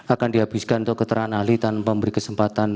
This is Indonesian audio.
akan dihabiskan untuk keterangan ahli tanpa memberi kesempatan